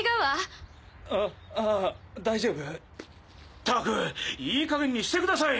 ったくいい加減にしてください。